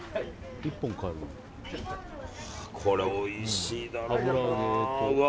これ、おいしいだろうな。